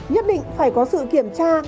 nhất định phải có sự kiểm tra